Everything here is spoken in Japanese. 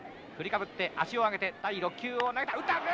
振りかぶって足を上げて第６球を投げた。